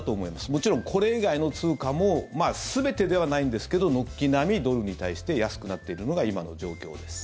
もちろん、これ以外の通貨も全てではないんですけど軒並みドルに対して安くなっているのが今の状況です。